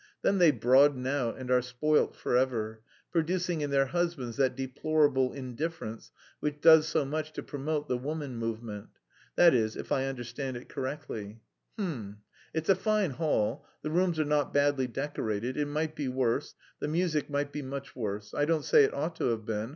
then they broaden out and are spoilt forever... producing in their husbands that deplorable indifference which does so much to promote the woman movement... that is, if I understand it correctly.... H'm! It's a fine hall; the rooms are not badly decorated. It might be worse. The music might be much worse.... I don't say it ought to have been.